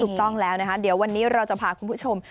ถูกต้องแล้วนะคะเดี๋ยววันนี้เราจะพาคุณผู้ชม